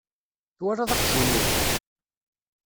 Twalaḍ aqjun-iw?